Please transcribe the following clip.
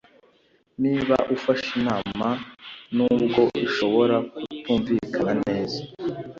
niba ufashe inama (nubwo ishobora kutumvikana neza):